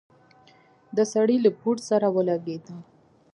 د سړي له بوټ سره ولګېده.